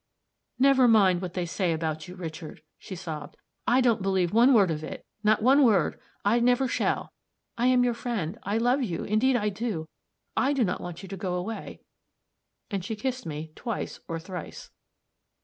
"Never mind what they say about you, Richard," she sobbed. "I don't believe one word of it not one word! I never shall. I am your friend. I love you; indeed I do. I do not want you to go away," and she kissed me twice or thrice.